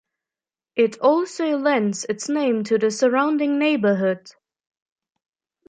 It also lends its name to the surrounding neighborhood.